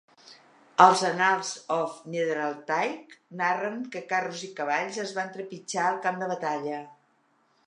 Els "Annals of Niederaltaich" narren que carros i cavalls el van trepitjar al camp de batalla.